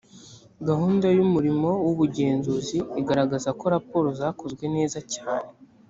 gahunda y umurimo w ubugenzuzi igaragaza ko raporo zakozwe neza cyane